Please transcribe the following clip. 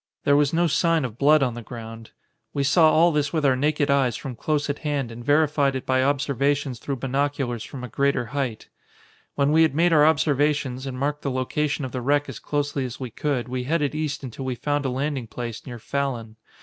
There was no sign of blood on the ground. We saw all this with our naked eyes from close at hand and verified it by observations through binoculars from a greater height. "When we had made our observations and marked the location of the wreck as closely as we could, we headed east until we found a landing place near Fallon.